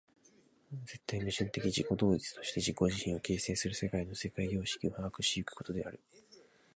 絶対矛盾的自己同一として自己自身を形成する世界の生産様式を把握し行くことである。